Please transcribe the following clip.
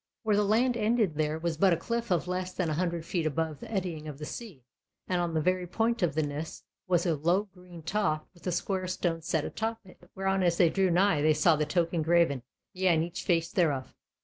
Where the land ended there was but a cliff of less than an hundred feet above the eddying of the sea; and on the very point of the ness was a low green toft with a square stone set atop of it, whereon as they drew nigh they saw the token graven, yea on each face thereof.